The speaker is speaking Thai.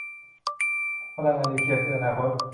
พลังงานนิวเคลียร์คืออนาคต